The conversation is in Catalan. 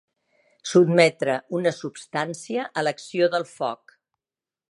Sotmetre una substància a l'acció del foc.